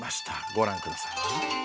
ご覧ください。